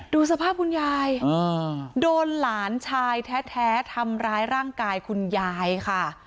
ดูสภาพคุณยายโดนหลานชายแท้ทำร้ายร่างกายคุณยายค่ะ